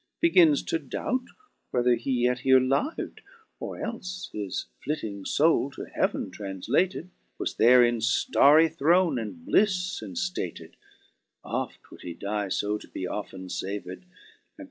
Begins to doubt whether he yet here liv*d. Or elfe his flitting foul, to heav'n tranflated. Was there in flarry throne and blifTe inflated : Oft would he dye, fo to be often faved ; And